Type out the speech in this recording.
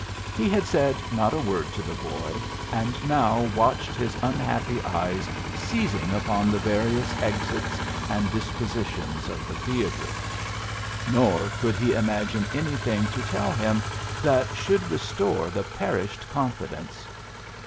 He had said not a word to the boy, and now watched his unhappy eyes seizing upon the various exits and dispositions of the theatre; nor could he imagine anything to tell him that should restore the perished confidence.